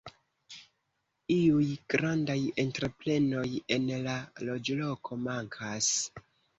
Iuj grandaj entreprenoj en la loĝloko mankas.